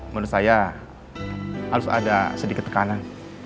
menurut saya harus ada sedikit tekanan